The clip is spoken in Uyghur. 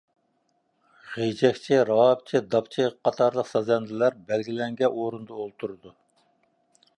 غېجەكچى، راۋابچى، داپچى قاتارلىق سازەندىلەر بەلگىلەنگەن ئورۇندا ئولتۇرىدۇ.